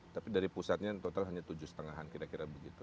tapi dari pusatnya total hanya tujuh lima an kira kira begitu